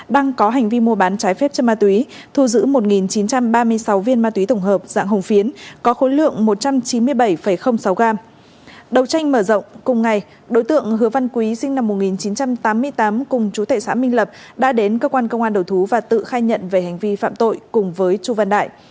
đầu tranh mở rộng cùng ngày đối tượng hứa văn quý sinh năm một nghìn chín trăm tám mươi tám cùng chú thệ xã minh lập đã đến cơ quan công an đầu thú và tự khai nhận về hành vi phạm tội cùng với chú văn đại